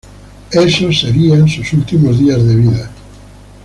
Esos serían sus últimos días de vida.